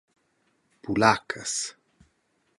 Pulaccas.